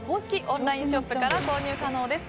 オンラインショップから購入可能です。